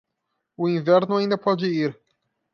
O inverno ainda pode ir